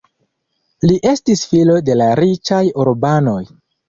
Li estis filo de la riĉaj urbanoj.